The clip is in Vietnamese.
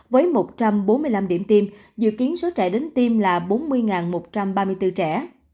với một trăm bốn mươi năm điểm tiêm dự kiến số trẻ đến tiêm là bốn mươi một trăm ba mươi bốn trẻ